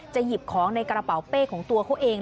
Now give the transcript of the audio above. หยิบของในกระเป๋าเป้ของตัวเขาเอง